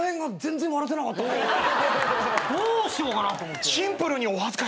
どうしようかなと思って。